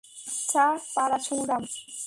আচ্ছা, পারাসুরাম।